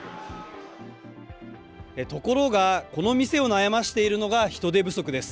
ところが、この店を悩ませているのが人手不足です。